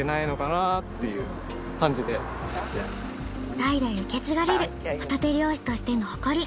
代々受け継がれるホタテ漁師としての誇り。